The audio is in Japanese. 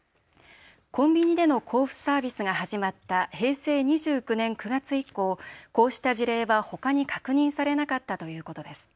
コンビニでの交付サービスが始まった平成２９年９月以降こうした事例はほかに確認されなかったということです。